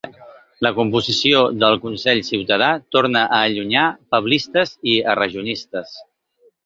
La composició del consell ciutadà torna a allunyar ‘pablistes’ i ‘errejonistes’.